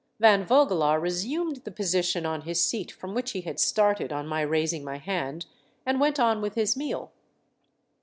Van Vogelaar resumed the posture on his seat from which he had started on my raising my hand and went on with his meal.